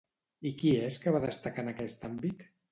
I qui és que va destacar en aquest àmbit?